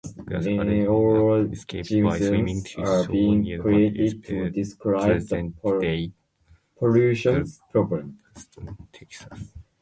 Glass allegedly escaped by swimming to shore near what is present-day Galveston, Texas.